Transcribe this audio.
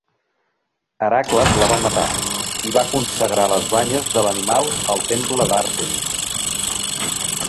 Hèracles la va matar i va consagrar les banyes de l'animal al temple d'Àrtemis.